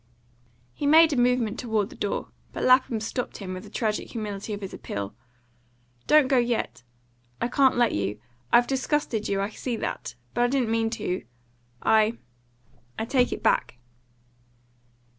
He made a movement toward the door, but Lapham stopped him with the tragic humility of his appeal. "Don't go yet! I can't let you. I've disgusted you, I see that; but I didn't mean to. I I take it back."